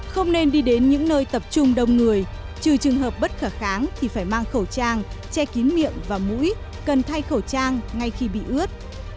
không nên đi đến những nơi tập trung đông người trừ trường hợp bất khả kháng thì phải mang khẩu trang che kín miệng và mũi cần thay khẩu trang ngay khi bị ướt